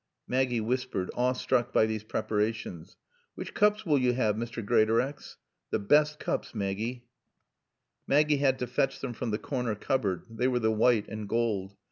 Maggie whispered, awestruck by these preparations: "Which coops will yo' 'ave, Mr. Greatorex?" "T' best coops, Maaggie." Maggie had to fetch them from the corner cupboard (they were the white and gold).